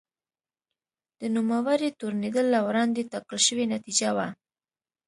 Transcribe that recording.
د نوموړي تورنېدل له وړاندې ټاکل شوې نتیجه وه.